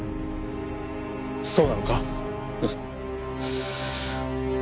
そうなのか？